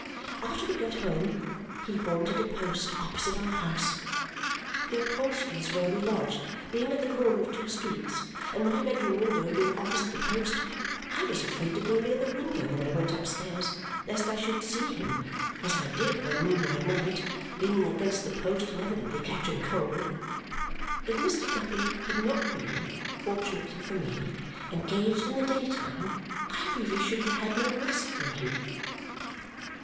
After we got home, he haunted a post opposite our house. The upholsterer's where we lodged being at the corner of two streets, and my bedroom window being opposite the post, I was afraid to go near the window when I went upstairs, lest I should see him (as I did one moonlight night) leaning against the post and evidently catching cold. If Mr. Guppy had not been, fortunately for me, engaged in the daytime, I really should have had no rest from him.